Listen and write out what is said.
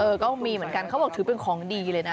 ก็มีเหมือนกันเขาบอกถือเป็นของดีเลยนะ